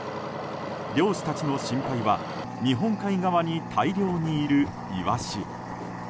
漁師たちの心配は日本海側に大量にいるイワシ。